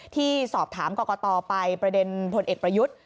ที่สอบถามกรกตไปประเด็นพลเอกประยุทธ์